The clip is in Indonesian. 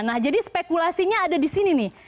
nah jadi spekulasinya ada di sini nih